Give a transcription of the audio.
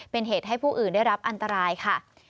เป็นเหตุให้ผู้อื่นได้รับอันตรายค่ะ